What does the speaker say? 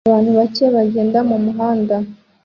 Abantu bake bagenda mumuhanda